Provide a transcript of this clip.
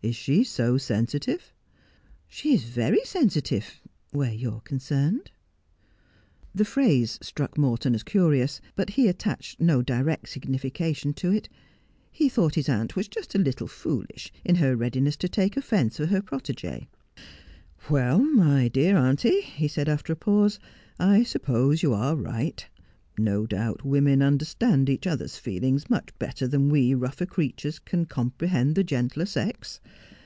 ' Is she so sensitive ?'' She is very sensitive — where you are concerned.' The phrase struck Morton as curious, but he attached no direct signification to it. He thought his aunt was just a little foolish in her readiness to take ofence for her protegee. ' Well, my dear auntie,' he said after a pause, ' I suppose you are right. No doubt women understand each other's feelings much better than we rougher creatures can comprehend the gentler sex.